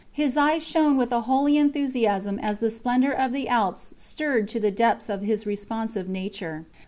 His eyes shone with a holy enthusiasm as the splendour of the Alps stirred to the depths his responsive nature.